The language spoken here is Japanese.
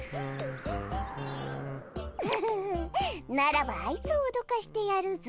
フフフッならばあいつをおどかしてやるぞ！